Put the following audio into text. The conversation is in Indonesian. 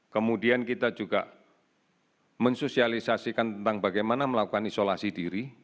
kemudian kita juga mensosialisasikan tentang bagaimana melakukan isolasi diri